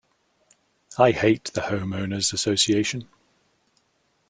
I hate the Homeowners' Association.